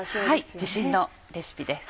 自信のレシピです。